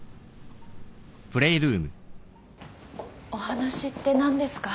お話って何ですか？